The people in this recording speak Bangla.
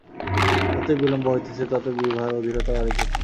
যতই বিলম্ব হইতেছে, ততই বিভার অধীরতা বাড়িতেছে।